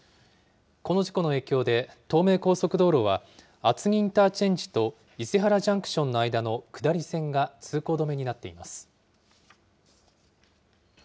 この事故の影響で、東名高速道路は、厚木インターチェンジと伊勢原ジャンクションの間の下り線が通行止めになっています。